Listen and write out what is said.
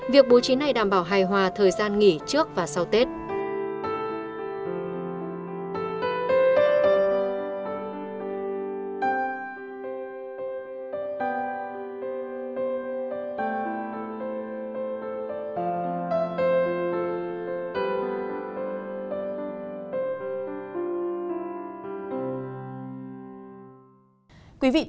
việc bố trí này đảm bảo hài hòa thời gian nghỉ trước và sau tết